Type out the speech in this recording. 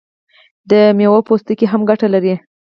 د میوو پوستکي هم ګټه لري.